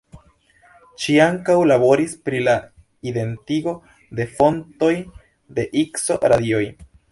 Ŝi ankaŭ laboris pri la identigo de fontoj de ikso-radioj.